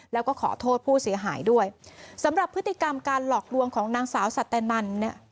แล้วก็ขอโทษผู้เสียหายด้วยสำหรับพฤติกรรมการหลอกลวงของนางสาวสัตนันเนี่ย